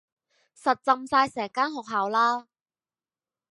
實浸晒成間學校啦